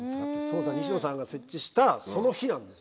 西野さんが設置したその日なんです。